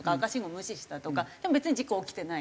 でも別に事故は起きてない。